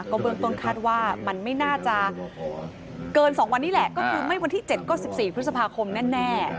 เบื้องต้นคาดว่ามันไม่น่าจะเกิน๒วันนี้แหละก็คือไม่วันที่๗ก็๑๔พฤษภาคมแน่